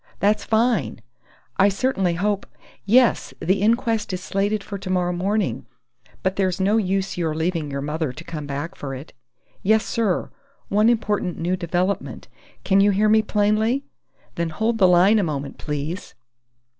That's fine! I certainly hope Yes, the inquest is slated for tomorrow morning, but there's no use your leaving your mother to come back for it.... Yes, sir, one important new development. Can you hear me plainly?... Then hold the line a moment, please!"